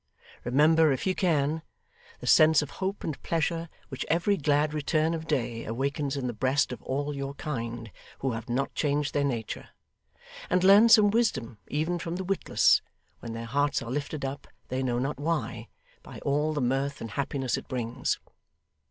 Remember, if ye can, the sense of hope and pleasure which every glad return of day awakens in the breast of all your kind who have not changed their nature; and learn some wisdom even from the witless, when their hearts are lifted up they know not why, by all the mirth and happiness it brings.